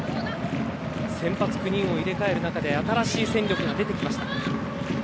先発９人を入れ替える中で新しい戦力が出てきました。